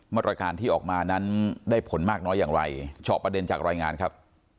มาตรการที่ออกมานั้นได้ผลมากน้อยอย่างไรเจาะประเด็นจากรายงานครับ